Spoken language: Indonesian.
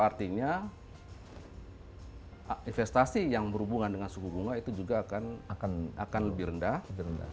artinya investasi yang berhubungan dengan suku bunga itu juga akan lebih rendah